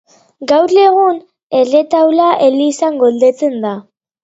Gaur egun erretaula elizan gordetzen da.